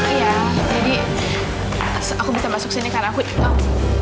iya jadi aku bisa masuk sini karena aku